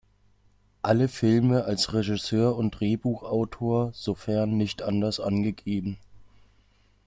Alle Filme als Regisseur und Drehbuchautor, sofern nicht anders angegeben.